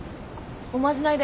おまじないだよ。